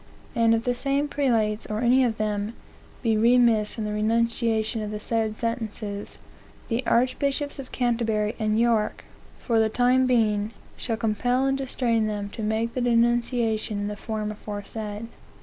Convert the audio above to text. And if the same prelates, or any of them, be remiss in the denunciation of the said sentences, the Archbishops of Canterbury and York , for the time being, shall compel and distrain them to make the denunciation in the form aforesaid."